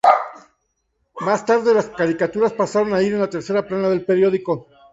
Más tarde las caricaturas pasaron a ir en la tercera plana del periódico.